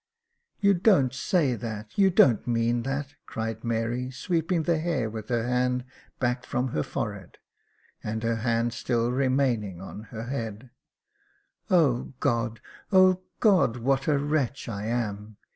" You don't say that — you don't mean that !" cried Mary, sweeping the hair with her hand back from her forehead, — and her hand still remaining on her head —" O God ! O God ! what a wretch I am